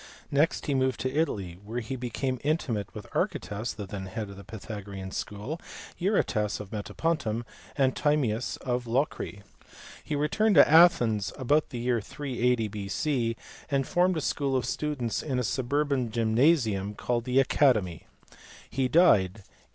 Next he moved to Italy, where he became intimate with Archytas the then head of the Pythagorean school, Eurytas of Metapontum, and Timaeus of Locri. He returned to Athens about the year 380 B.C., and formed a school of students in a suburban gym nasium called the "Academy." He died in 348 B.